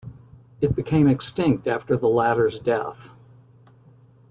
It became extinct after the latter's death.